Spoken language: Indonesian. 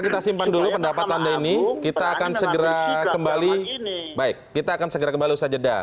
kita simpan dulu pendapat anda ini kita akan segera kembali baik kita akan segera kembali usaha jeda